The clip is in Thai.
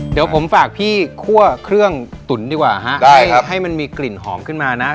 เดี๋ยวผมฝากพี่คั่วเครื่องตุ๋นดีกว่าฮะให้ให้มันมีกลิ่นหอมขึ้นมานะ